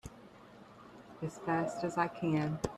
As fast as I can!